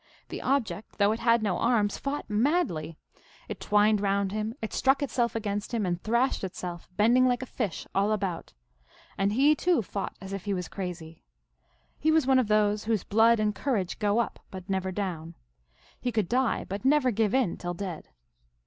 The object, though it had no arms, fought madly. It twined round him ; it struck itself against him, and thrashed itself, bending like a fish all about. And he, too, fought as if he was crazy. He was one of those whose blood and courage go up, but never down ; he could die, but never give in till dead.